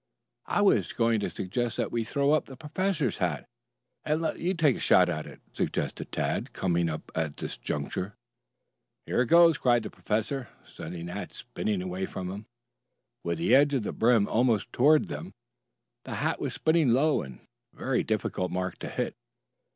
"I was going to suggest that we throw up the professor's hat and let you take a shot at it," suggested Tad, coming up at this juncture. "Here it goes," cried the professor sending the hat spinning away from them, with the edge of the brim almost toward them. The hat was spinning low and a very difficult mark to hit.